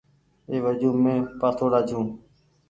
اي وجون مين پآسوڙآ ڇو۔